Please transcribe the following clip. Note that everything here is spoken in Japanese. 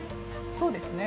そうですね。